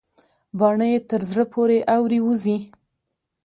باڼه يې تر زړه پورې اورې وزي.